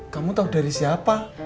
kamu tau dari siapa